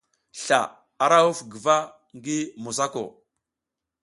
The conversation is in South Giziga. Sla ara huf guva ngi mosako.